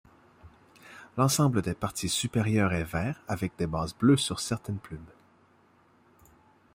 L'ensemble des parties supérieures est vert avec des bases bleues sur certaines plumes.